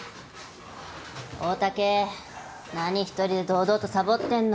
大竹何１人で堂々とサボってんの？